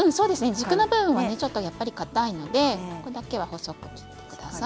軸の部分はちょっとかたいのでここだけは細く切ってください。